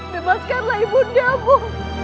bebaskanlah ibu ndapul